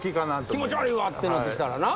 気持ち悪いわってなってきたらな。